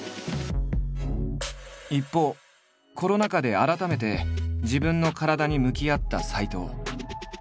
一方コロナ禍で改めて自分の体に向き合った斎藤。